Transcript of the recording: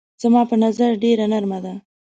زما په نظر ډېره نرمه ده.